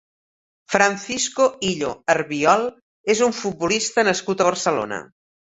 Francisco Illo Arbiol és un futbolista nascut a Barcelona.